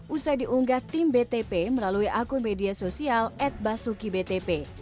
usai diunggah tim btp melalui akun media sosial at basuki btp